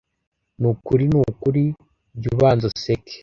n'ukuri nukuri jyubanza useke